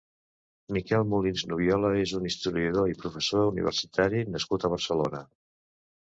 Miquel Molins Nubiola és un historiador i professor universitari nascut a Barcelona.